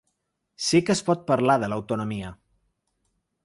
Sí que es pot parlar de l’autonomia.